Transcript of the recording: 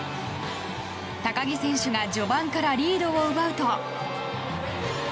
高木選手が序盤からリードを奪うと。